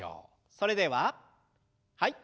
それでははい。